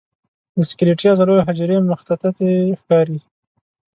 د سکلیټي عضلو حجرې مخططې ښکاري.